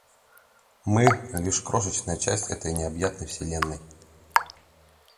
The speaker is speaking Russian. Мы - лишь крошечная часть этой необъятной Вселенной.